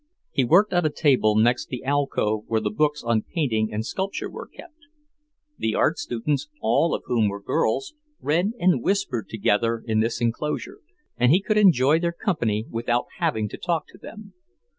He worked at a table next the alcove where the books on painting and sculpture were kept. The art students, all of whom were girls, read and whispered together in this enclosure, and he could enjoy their company without having to talk to them.